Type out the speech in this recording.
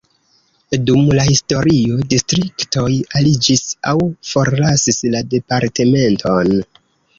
Dum la historio distriktoj aliĝis aŭ forlasis la departementon.